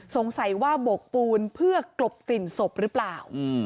สงสัยว่าบกปูนเพื่อกลบกลิ่นศพหรือเปล่า